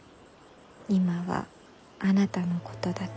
今はあなたのことだけ。